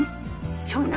☎長男？